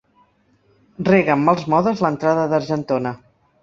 Rega amb mals modes l'entrada d'Argentona.